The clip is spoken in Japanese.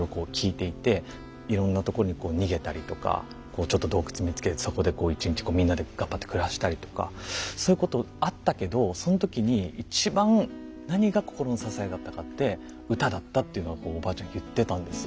いろんなとこにこう逃げたりとかちょっと洞窟見つけてそこでこう一日みんなで頑張って暮らしたりとかそういうことあったけどその時に一番何が心の支えだったかって歌だったっていうのはこうおばあちゃん言ってたんですよ。